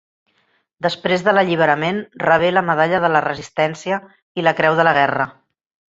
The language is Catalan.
Després de l'alliberament rebé la Medalla de la Resistència i la Creu de la Guerra.